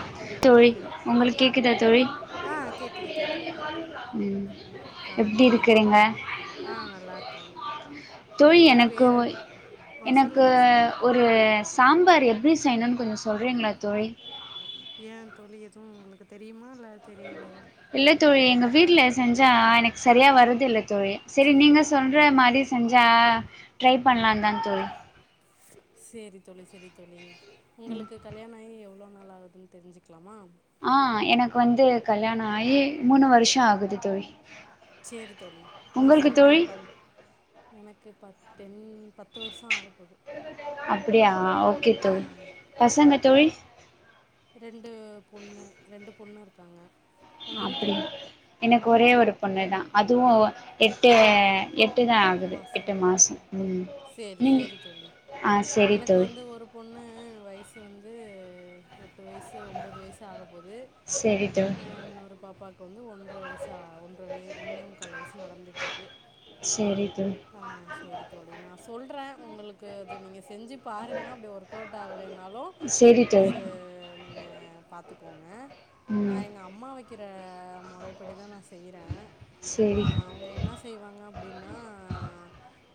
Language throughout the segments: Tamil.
ஆஹ் தோழி உங்களுக்கு உங்களுக்கு கேக்குதா தோழி ஆஹ் கேக்குது கேக்குது கேக்குது ம் ஆஹ் எப்டி நீங்க இருக்கிறீங்க ஆஹ் நல்லா இருக்கேன் தோழி உங்களோட எனக்கு பேரு என் எனக்கு சொல்லுங்க சொல்லுங்க ஒரு சாம்பார் எப்டி செய்யணுன்னு கொஞ்சோ சொல்கிறீங்களா தோழி ஏன் தோழி எதுவும் உங்களுக்கு தெரியுமா இல்ல தெரியலையா இல்ல தோழி எங்க வீட்டுல செஞ்சா எனக்கு செரியா வருதுல்ல தோழி செரி நீங்க சொல்ற மாரி செஞ்சா ட்ரை பண்ணலான்னு தா தோழி சேரி தோழி சேரி தோழி உங்களுக்கு கல்யாணாய் எவ் எவ்ளோ நாள்ளாகுதுன்னு தெரிஞ்சிக்லாமா ஆஹ் எனக்கு வந்து கல்யாணாயி மூணு வருஷோ ஆகுது தோழி சேரி தோழி நா உங்களுக்கு சொல்றே தோழி எப்பன் எனக்கு பத் தென் பத்து வர்சோ ஆகப் போது அப்புடியா ஆ ஓகே ஆ தோழி பசங்க தோழி ரெண் டு பொண்ணு ரெண்டுப் பொண்ணு இருக்காங்க உங்களுக்கு அப்புடி எனக்கு ஒரே ஒரு பொண்ணு தா அதுவு எட்டு எட் டு தா ஆகுது எட்டு மாசோ ம் சேரி நீங்க சேரி தோழி ஆ சேரி எனக்கு தோழி வந்து ஒரு பொண்ணு வயசு வந்து எட் டு வயசு ஒம்பொது வயசு ஆக போது செரி தோழி அ இன்னொரு பாப் பாக்கு வந்து ஒன்ற வயசு சா ஒன்ற வெ ஒன்னே முக்கால் வயசு நடந்துட்ருக்கு செரி தோழி ஆ சேரி தோழி நா ஸ் சொல்றே உங்களுக்கு அது நீங்க செஞ்சு பாருங்க அப்டி ஒர்க் அவுட் ஆகலைனாலு செரி ச தோழி நீங்க பாத்துக் கோங்க நா ம் எங்க அம்மா வைக் கிற மொறைப்படி தா நா செய்யுறே ஆ செரி அவுங்க என்ன செய்வாங்க அப்டின்னா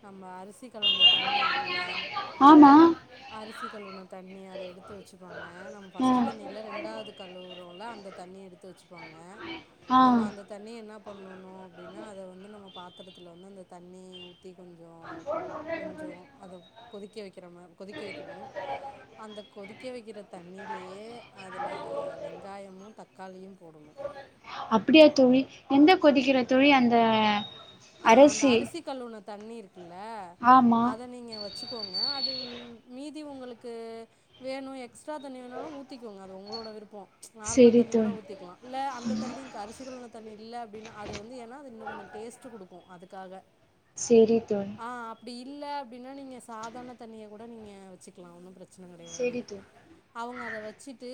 நம்ம அரிசி கலந்த தண்ணி இருக்குல்ல ஆமா அரிசி கழுவுன தண்ணி அத எடுத் து வச்சுப்பாங்க நம் ஆ ஃபஸ்ட்டு தண்ணில ரெண்டாவது கல்லூர் ழுவுல்ல அந்த தண்ணி எடுத்து வச்சு பாங்க ஆ நம்ம அந்த தண்ணி என்னாப் பண்ணணு அப்டின்னா அத வந்து நம்ம பாத்தரத்துல வந்து அந்த தண் தி கொஞ்சோ கோ கொஞ்சோ அதுப் கொதிக்க வக் கிறாம கொதிக்க வக்கிணூ அந்த கொதிக்க வைக்கிற தண்ணிலேயே அதுல வெங்காயமு தக்காளியும் போடணு அப்படியா தோழி எந்த கொதிக்கிற தோழி அந்த ஆ அந்த அரிசி கழுவுன தண்ணீ இருக் குல்ல ஆமா அத நீங்க வச்சு கோங்க அது மீதி உங்களுக்கு வேணு எக்ஸ்ட்ரா தண்ணி வேணாலு ஊத்திக்கோங்க அது உங்களோட விருப்பம் நார்மல் செரி தண்ணி கூட தோழி ஊத்திக்கலா இல்ல அந்த தண்ணி அரிசி கழுவுன தண்ணி இல்ல அப்படின்னா அது வந்து ஏன்னா இன்னு கொஞ்சம் டேஸ்ட் டு கொடுக்கு அதுக்காக சரி தோழி அப்டி இல்ல அப்டின்னா நீங்க சாதாரண தண்ணிய கூட நீங்க வச்சுக்கலா ஒன்னும் பிரச் சன கிடையாது செரி தோழி அவுங்க அத வச்சுட்டு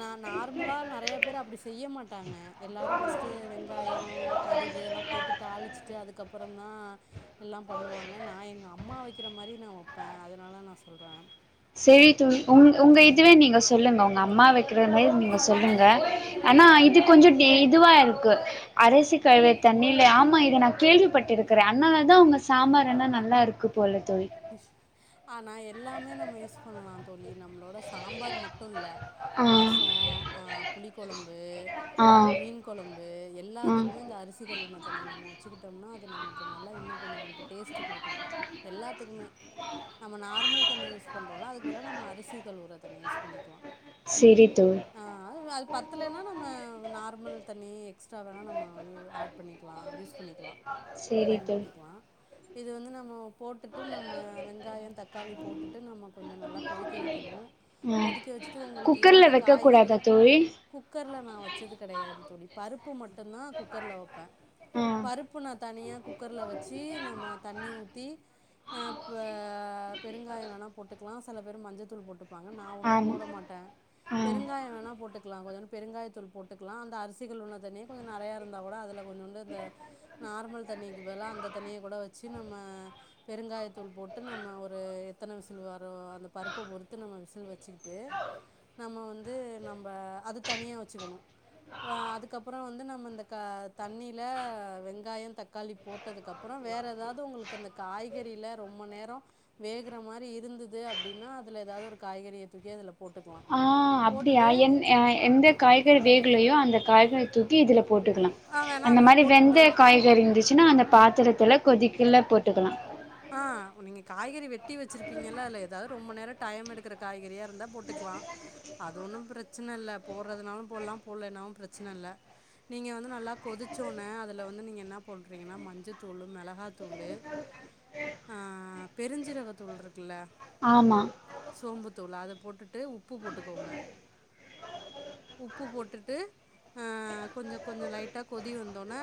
நா நார்மலா நெறைய பேர் அப்டி செய்ய மாட்டாங்க எல்லாரும் ஃபர்ஸ்ட் வெங்காயோ கடுகு அதெல்லா போட்டு அதுக்கு அப்புறோ தா எல்லாம் பண்ணுவாங்க நா எங்க அம்மா வைக்கிற மாரி நா வைப்பே அதனால நா சொல்றே சரி தோழி உங்க உங்க ஆ இதுவே நீங்க சொல்லுங்க உங் அம்மா வைக்கிறது நீங்க சொல்லுங்க ஆனா இது கொஞ்சோ டே இதுவா இருக்கு அரிசி கழுவிய தண்ணில ஆமா இத நா கேள்விப்பட்ருக்றே அண்ணால தா உங்க சாம்பார் என்ன நல்லா இருக்கு போல தோழி அஷ் ஆனா என் எல்லாமே நம்ம யூஸ் பண்லா தோழி நம்மளோட சாம்பார் மட்டுல்ல ஆ ரசம் புளிகொழம்பு ஆ மீன் கொழம்பு ஆ எல்லாத்துக்குமே இந்த அரிசி கழுவுன தண்ணி நம்ம வச்சுக்கிட்டோம்னா இது நமக்கு நல்லா இன்னு கொஞ்சோ நமக்கு டேஸ்ட் குடுக்கூ எல்லாத் துக்குமே நம்ம நார்மல் தண்ணி யூஸ் பண்றோல அதுக்கு பதிலா நம்ம அரிசி கலுவுற தண்ணி யூஸ் பண்ணிக்லா செரி தோழி பத்லேன்னா நம்ம நார்மல் தண்ணி எக்ஸ்ட்ரா வேணா நம்ம யு ஆட் பண்ணிக்லா யூஸ் பண்ணிக்லா செரி தோழி பயன்படுத்திக்லா இது வந்து நம்ம போ ட்டு நம்ம வெங்காயம் தக்காளி போட்டுட்டு நம்ம கொஞ்சோ நல்லா கொதிக்க வைக்கணு ஆ கொதிக்க வச்சுட்டு உங்களுக்கு குக்கர்ல எந்த வைக்க காய்கறி கூடாதா தோழி குக்கர்ல நா வச்சது கெடையாது தோழி பருப்பு மட்டும் தா குக்கர்ல்ல வைப்பே ஆ பருப்பு நா தனியா குக்கர்ல வச்சு நம்ம தண்ணி ஊத்தி ஆ ப பெருங்காயம் வேணா போட்டுக்லா செல பேர் மஞ்சத்தூள் போட்டு பாங்க நா ஒன்னு ஆமா போட மாட்டே ஆ பெருங்காயம் வேணா போட்டுக்கலா கொஞ்ச பெருங்காயத்தூள் போட்டுக்கலா அந்த அரிசி கழுவுன தண்ணிய கொஞ்ச நெறையா இருந்தா கூட அதுல கொஞ்சூண்டு இந்த நார்மல் தண்ணிக்கு பதிலா அந்த தண்ணிய கூட வச்சு நம்ம பெருங்காயத்தூள் போட்டு நம்ம ஒரு எத்தன விசில் வரு அந்த பருப்ப பொறுத்து நம்ம விசில் வச்சிட்டு நம்ம வந்து நம்ம அது தனியா வச்சுக்கணும் இப்ப அதுக்கப்றோ வந்து நம்ம இந்த க தண்ணியில வெங்காயம் தக்காளி போட்டதுக்கப்புறோ வேற எதாது உங்களுக்கு அந்த காய் கறில ரொம்ப நேரம் வேகுற மாரி இருந்தது அப்டின்னா அதுல ஏதாது ஒரு காய்கறிய தூக்கி அதுல ஆ அப்டியா என் அ எந்த காய்கறி வேகலையோ அந்த காய்கறித்தூ வெட்டி இதுல போட்டுக்கலா ஆ வேணால் அந்த அதில் மாரி போட்டுட்டு வெந்த காய்கறி இருந்துச்சுனா அந்த ப திரத்துல கொதிக்கள்ள போட்டுக்லா ஆஹ் நீங்க காய்கறி வெட்டி வச்சிருப்பீங்கல்ல அதுல ஏதாவது ரொம்ப நேர டைம் எடுக்கற காய்கறியா இருந்தா போட்டுக்கலா அது ஒண்ணு பிரச்சன இல்ல போடுறதுனாலு போட்லா போடலனாலு பிரச்சன இல்ல நீங்க வந்து நல்லா கொதிச்ச உடனே அதுல வந்து நீங்க என்ன பண்றீங்கன்னா மஞ்சத்தூளு மிளகாத்தூளு ஆஹ் பெருஞ்சீரகத்தூள் இருக்குல்ல ஆமா தூள் அத போட்டுட்டு உப்பு போட்டுகோங்கா உப்பு போட்டுட்டு ஆ கொஞ்ச கொஞ்ச லைட்டா கொதி வந்தொன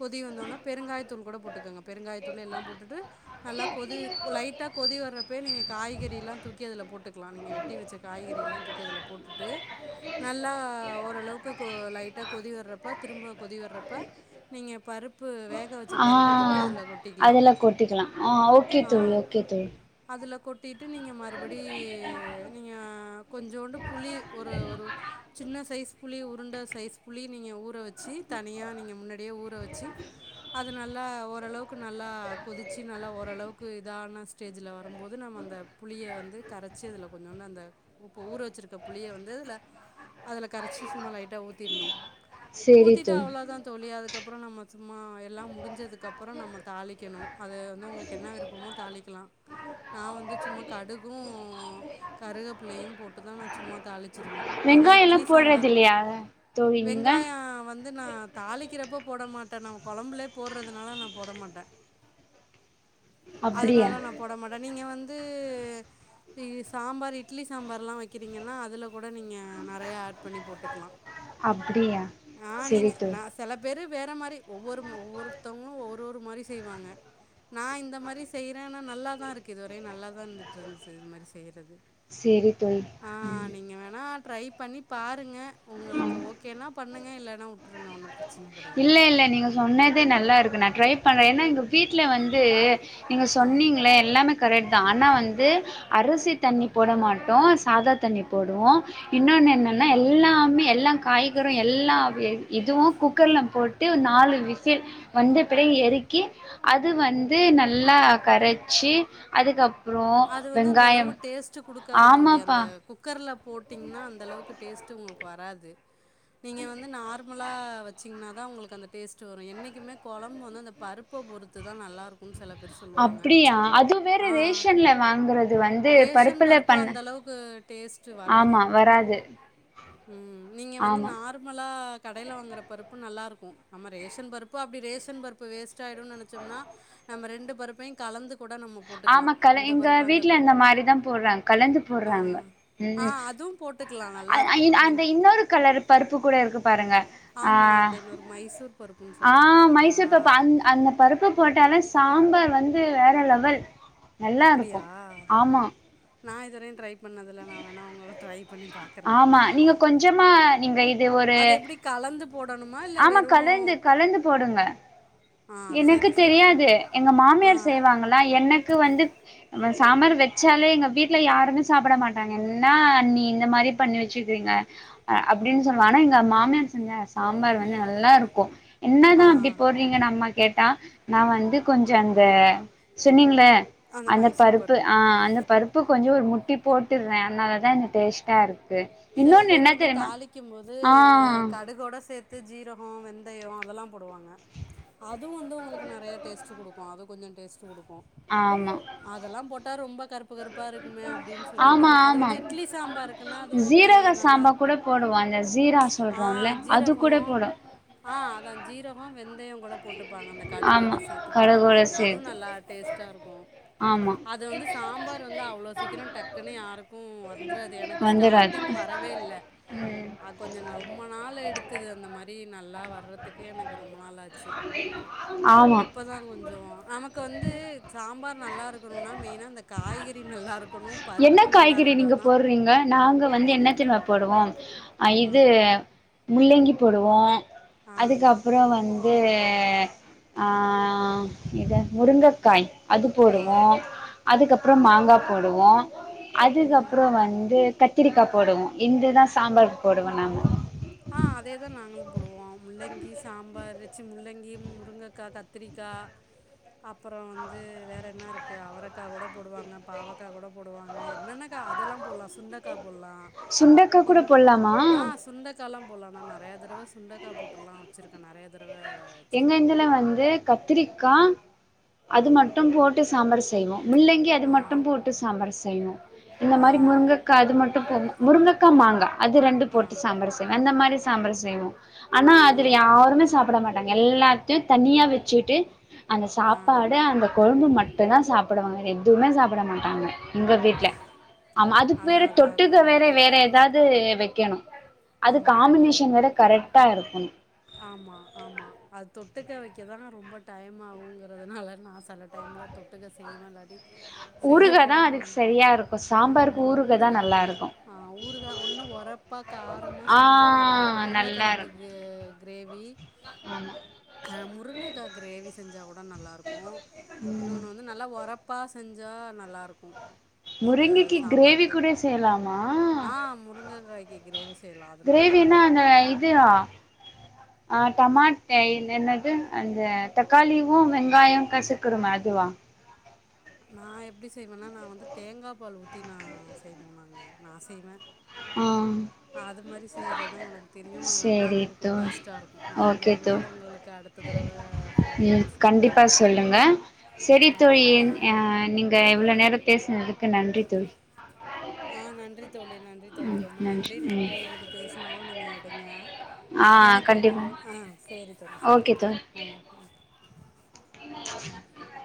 கொதி வந்தொன பெருங்காயத்தூள் கூட போட்டுகோங்கா பெருங்காயத் தூளியெல்லா போட்டுட்டு நல்லா கொதி லைட்டா கொதி வரப்ப நீங்க காய்கறி எல்லா தூக்கி அதுல போட்டுக்கலா நீங்க வெட்டி வச்ச காய்கறி எல்லா தூக்கி அதுல போட்டுட்டு நல்லா ஒரு அளவுக்கு கொ லைட்டா கொதிவரப்ப திரும்ப கொதிவரப்ப நீங்க பருப்பு வே ங்க வச்ச ஆ பருப்ப தூக்கி அதுல கொட் அதெல்லா கொட்டிக்கலா ஆஹ் ஓகே தோழி ஓகே தோழி அதுல கொட்டிட்டு நீங்க மறுபடி நீங்க கொஞ்சோண்டு புளி ஒரு ஒரு சின்ன சைஸ் புளி உருண்ட சைஸ் புளி நீங்க ஊற வச்சு தனியா நீங்க முன்னாடியே ஊற வச்சு அதுனல்லா ஓரளவுக் க்கு நல்லா கொதிச்சு நல்லா ஓரளவுக்கு இதான ஸ்டேஜ்ல வரும்போது நம்ம அந்த புளிய வந்து கரச்சு அதுல கொஞ்சோன்னு அந்த உப்ப ஊற வச்சிருக்க புளிய வந்து அதுல அல கரச்சு சும்மா லைட்டா ஊத்திட்ணு சேரி ஊத்திட்டு தோழி அவ்வளதா தோழி அதுக் அப்புறொ நம்ம சும்மா எல்லா முடிஞ்சதுக்கு அப்புற நம்ம தாளிக்கணு அத வந்து உங்களுக்கு என்ன விருப்பமோ தாளிக்கலா நா வந்து சும்மா கடுகு கருகப்பிள்ளையு போட்டு தா நா சும்மா தாளிச் வெங்காயொ எல்லா போடறது இல்லையா தோழி நீங்க வெங்காயோ வந்து நா தாளிக்கிறப்போ போட மாட்டே நான் கொழம்புலே போடுறதுனால நா போட மாட்டேன். ட அப்டியா அதனால நா போட மாட்ட நீங்க வந் ந்து சாம்பார் இட்லி சாம்பார்லா வெக்கிறிங்கன்னா அதுல கூட நீங்க நெறையா ஆட் பண்ணி போட்டுக்லா அப்படியா செரி தோ வேற மாரி ஒவ்வொரு ஒவ்வொருத்தவங்களோ ஒரு ஒரு மாரி செய்வாங்க நா இந்த மாரி செய்யறேன்னா நல்லாதா இருக்கு இதுவரையு நல்லாதா இருந்துட்டு இருந்துது இது மாரி செய்யறது சேரி தோழி வேணால் ட்ரை பண்ணி பாருங்க உங்களுக்கு ஓகேனா பண்ணுங்க இல்லனா உட்ருங்க ஒன்னு பிரச் இல்ல இல்ல நீங்க சொன்னேத் அதே நல்லா இருக்கு நா ட்ரை பண்ணே ஏன்னா எங்க வீட்ல வந்து நீங்க ஆ சொன்னீங்களே எல்லாமேக் கரெட் தா ஆனா வந்து அரிசி தண்ணி போட மாட்டோ சாதா தண்ணி போடுவோ இன்னோனு என்னன்னா எல்லாமே எல்லா காய்கறோ எல்லா இதுவு குக் குக்கர்ல போட்டு நாலு விசில் வந்து படிய எறக்கி அது வந்து நல்லா கரச்சி அதுக்கப் அது வந்து அந்த அளவு டேஸ்ட் குடுக்காது தோழி ஆமாப்பா அந்த குக்கர்லப் போட்டீங்னா அந்த அளவுக்கு டேஸ்ட்டு உங்ளுக்கு வராது. நீங்க வந்து நார்மலா வெச்சு ன்னா தாஉங்களுக்கு அந்த டேஸ்ட் வரோ என்னைக்குமே கொழம்பு வந்து அந்த பருப்ப பொறுத்து தா நல்லாருக். அப்டியா அது வேற ஆ ரேஷன்ல வாங்குறது வந்து ரேஷன் பருப்புல பருப்பு பண்ண அந்த அளவுக்கு டேஸ்ட் வராது. ஆமா வராது ம் நீங்க வந்து ஆமா நார்மலா ஆ கடையில வாங்குற பருப்பு நல்லா இருக்கும் நம்ம ரேஷன் பருப்பு அப்படி ரேஷன் பருப்பு வேச ட் ஆயிடும்னு நினைச்சோம்னா நம்ம ரெண் பருப்பையும் கலந்து கூட நம்ம போட்டுக்கலா ஆமா கல இந்த எங்க பருப்பு அந்த வீட்டுல இந்த பருப்பு மாரிதா போடுறாங்க கலந்து ஆ போடுறாங்க ஆ ம் அதுவு போட்டுக்கலா நல்லாருக்கு நீங் அந்த இன்னொரு கலர் பருப்பு கூட இருக்கு பாருங்க ஆ ஆமா அந்த இன்னொரு மைசூர் பருப்புன்னு ஆ சொல்லுவாங்களே அதா மைசூர் பருப்பு அந் அந்த பருப்பு போட்டால சாம்பார் வந்து வேற லெவல் நல்லா இருக்கும் ஆமா நான் இதுவர ட்ரை பண்ணதுல நான் வேணா [unintelligible] ட்ரை பண்ணி பாக்குறேன் ஆமா நீங்க கொஞ்சமா நீங்க இது ஒரு அது எப்டி கலந்து போடணுமா இல்ல ஆமா கலந்து வெறு கலந்து போடுங்க ஆ எனக்கு செரி செரி தெரியாது எங்க ஆ மாமியார் செய்வாங்களா எனக்கு வந்து நா சாம்பார் வச்சாலே எங்க வீட்டுல யாருமே சாப்பிட மாட்டாங்க என்ன அண்ணி இந்த மாரி பண்ணி வச்சுக்கிறீங்க அஹ் அப்படினு சொல்லுவா எங்க மாமியார் செஞ்ச சாம்பார் வந்து நல்லா இருக்கும் என்ன ஆ தான் அப்படி போடுறீங்கன்னம்மா கேட்டா நான் வந்து கொஞ்சம் அந்த சொன்னிங்கள அந்த பருப்பு ஆஹ் அந்த பருப்பு கொஞ்சம் முட்டி போட்டுறேன் அதனாலதான் டேஸ்ட்டா இருக்கு செல இன்னொன்னு பேரு என்ன வந்து தெரியுமா தாளிக்கும் போது ஆ கடுகோட சேத் ஜீரகோ வெந்தயோ அதெல்லா போடுவாங்க அதுவும் வந்து ஒங்களுக்கு நறைய டேஸ்ட் குடுக்கும் அது கொஞ்சோ டேஸ்ட் கொடுக்கும் ஆமா அதெல்லாம் போட்டா ரொம்ப கரு கருப்பு கருப்பா இருக்குமே அப்டின்னு சொல்லிட்டு அது வந்து இட்லி சாம்பாருக்குனா அது ஓக் சாம்பார் கூட போடுவோம் அந்த ஜீரா ஆ சொல்றோம்ல அது ஜீரகோ கூட போடும் வெந்தயம் கூட போட்டுப்பாங்க அந்த கடுகோட சேர்த்து கடுகோட போட்டுப்பாங்க அதுவும் சேத்து நல்லா டேஸ்ட்டாக இருக்கும் ஆமா அது வந்து சாம்பார் வந்து அவ்ளோ சீக்கிரோ டக்குனு யாருக்கும் வந்துராது எனக்கு ஸ்டாட் வந்துராது டிங் வரவே இல்ல ம் கொஞ்சோ ரொம்ப நாள் எடுத்துது அந்த மாரி அப்டி நல்லா வரதுக்கே எனக்கு ரொம்ப நாாளாச்சு சே ஆமா இப்பதா கொஞ்சம் ஆமாங் க்கு வந்து சாம்பார் நல்லா இருக்கணுனா மெயினா அந்த காய்கறி நல்லா இருக்கணு என்ன பருப்பு நல்லா காய்கறி இருந்தா நீங்க தா போட்றீங்க நாங்க வந்து என்ன ஒன்னு தெறிமா போடுவோம் அ ஆ இது முள்ளங்கி போடுவோம் ஆ அதுக்கப்பறம் வந் இது ஆ இது முருங்கக்காய் அது ஆ போடுவோம் அதுக்கப்பறம் மாங்கா போடுவோம் ம் அதுக்கப்பறம் வந்து கத்திரிக்கா போடுவோம் இந்துதான் சாம்பாரு போடுவோம் நாங்க ஆ அதேதா நாங்களு போடுவோ முள்ளங்கி சாம்பாரு ச்சி முள்ளங்கியும் முருங்கக்கா கத்திரிக்கா அப்புறம் வந்து வேற என்னா இருக்கு அவரைக்காகூட போடுவாங்க பாவக்காகூட போடுவாங்க என்னன்ன கா அதெல்லா போட்லாம் சுண்டக்கா போட்லா சுண்டக்கா கூட போட்லாமா க்கால்லாம் போட்லாம் நா நறைய தடவை சுண்டைக்க் போட்டில்லாம் வச்சிருக்கேன் நறைய த எங்க இந்துல வந்து கத்திரிக்கா அது ஆ மட்டும் போட்டு சம்ரஸ் செய்வோ முள்ளங்கி அது ஆ மட்டும் போட்டு சாம்பார் செய்வோம் இந்த ஆ மாரி முருங்கக்கா அது மட்டும் போ முருங்கக்கா மாங்கா அது ரெண்டு ஆ போட்டு சாம்பாரு செய்வே அந்த மாரி சாம்பார் செய்வோம் ஆனா ஆ அதுல யாருமே சாப்பிட மாட் நாங்க எல்லாத்தையும் தனியா வச்சுகிட்டு அந்த ஆ சாப்பாடு அந்த கொழு ம்பு மட்டும்தான் சாப்புடுவாங்க வேற எதுவுமே சாப்பிட மாட்டாங்க எங்க வீட்ல ஆமா அதுக்கு அதா வேற அதா அதா தொட்டுக்க வேற வேற ஏதாவது ந்து வைக்கணும் அது ஆமா ஆமா ஆமா காம்பினேஷன் வேற கரெக்ட் டா இருக்குனு ஆமா ஆமா அது தொட்டுக்க வைக்கதான் ரொம்ப டைம் ஆவுங்கராதுனால நான் செல டைம்ல தொட்டுக்க செய்வேன் இல்லாட்டி ஊறுகா தா செய்யலாம் அதுக்கு சரியா இருக்கு சாம்பாருக்கு ஆமாம் ஊறுகா தா நல்லா இருக்கு ஊறுகாய் இன்னும் உரைப்பா காரமா ஆ செஞ்சா நல்லா இருக்கும் நல்லா இருக்கு உருளைக்கிழங்குக்கு கிரேவி முருங்கைகாய் கிரேவி செஞ்சா கூட நல்லா இருக்கும் இன்னொன்னு வந்து நல்லா உர அப்பா செஞ்சா நல்லாயிருக்கும் முருங்கைக்காயில் கிரேவி கூட செய்யலாமா ஆ முருங்கைக்காய்க்கு கிரேவி செய்யலாம் அது கிரேவினா நல்லாருக்கும். அந்த இது [unintelligible] என்னது அந்த தக்காளியும் வெங்காயம் அமைப்பதும் அதுவா நான் எப்படி செய்வேன்னா தேங்காய் பால் ஊத்தி செய்வேன் ஆம் அது மாதிரி செய்யறதுதான் எனக்கு தெரியும் அது சேரி நல்லாவும் இருக்கும் தோழி டேஸ்ட்டா இருக்கும் நான் ஓகே இன்னொரு தோழி நாள் உங்களுக்கு போன் ம் பேசும்போது கண்டிப்பா நான் சொல்லுங்க சொல்றேன் செரி தோழி மிக்க நன்றி தோழி நன்றி தோழி நன்றி தோழி ம் ரொம்ப நன்றி நான் ம் உங்களுக்கு பேசினாலும் நீங்கள் எடுங்க ஆ கண்டிப்பா ஓகே தோழி [inaudible]